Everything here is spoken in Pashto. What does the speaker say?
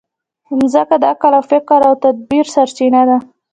مځکه د عقل، فکر او تدبر سرچینه ده.